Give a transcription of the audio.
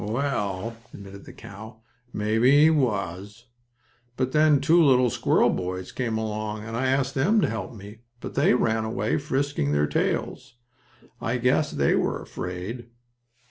"Well," admitted the cow, "maybe he was. But then two little squirrel boys came along, and I asked them to help me, but they ran away, frisking their tails. I guess they were afraid."